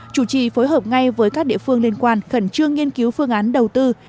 chủ trì phối hợp ngay với các địa phương liên quan khẩn trương nghiên cứu phương án đầu tư